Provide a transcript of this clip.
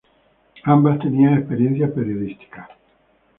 Ambas tenían experiencia periodística.